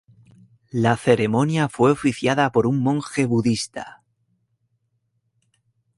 La ceremonia fue oficiada por un monje budista.